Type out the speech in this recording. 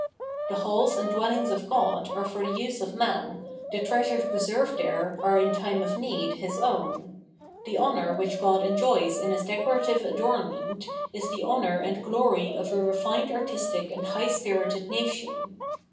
The Halls and Dwellings * i.e, at the feast. 730 Phenomenology of Mind of God are for the use of man, the treasures preserved there are in time of need his own ; the honour which God enjoys in his decorative adornment, is the honour and glory of a refined artistic and high spirited nation.